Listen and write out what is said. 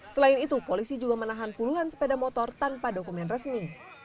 selain itu polisi juga menahan puluhan sepeda motor tanpa dokumen resmi